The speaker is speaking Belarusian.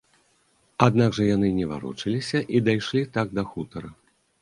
Аднак жа яны не варочаліся і дайшлі так да хутара.